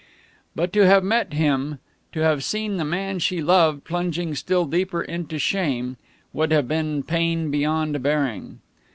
But to have met him, to have seen the man she loved plunging still deeper into shame, would have been pain beyond bearing.